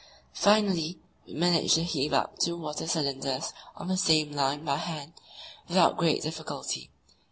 Finally, we managed to heave up two water cylinders on the same line by hand without great difficulty.